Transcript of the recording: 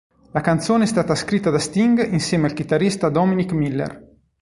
La canzone è stata scritta da Sting insieme al chitarrista Dominic Miller.